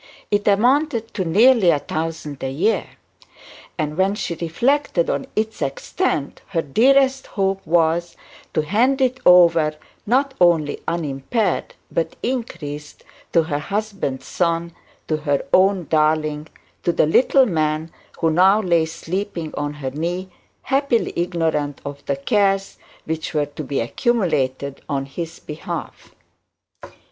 It amounted to nearly a thousand a year; and when she reflected on its extent, her dearest hope was to hand it over, not only unimpaired, but increased, to her husband's son, to her own darling, to the little man who now lay sleeping on her knee, happily ignorant of the cares which were to be accumulated in his behalf.